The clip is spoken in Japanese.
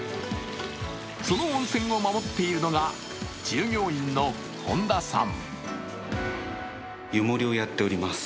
その温泉を守っているのが従業員の本田さん。